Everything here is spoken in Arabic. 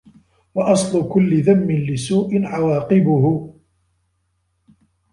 وَأَصْلُ كُلِّ ذَمٍّ لِسُوءِ عَوَاقِبِهِ